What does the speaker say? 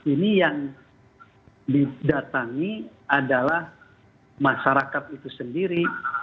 ini yang didatangi adalah masyarakat itu sendiri